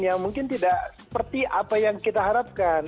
yang mungkin tidak seperti apa yang kita harapkan